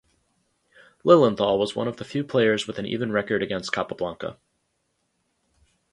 Lilienthal was one of the few players with an even record against Capablanca.